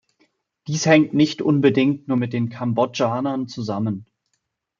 Dies hängt nicht unbedingt nur mit den Kambodschanern zusammen.